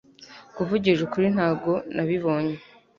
Kuvugisha ukuri ntabwo nabibonye